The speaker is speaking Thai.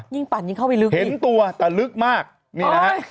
ปั่นยิ่งเข้าไปลึกเห็นตัวแต่ลึกมากนี่นะฮะ